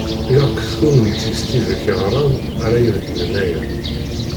Ilaq d kunemti s tidak yeɣran ara ibeddlen aya.